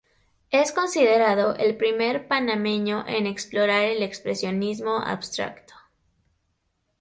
Es considerado el primer panameño en explorar el expresionismo abstracto.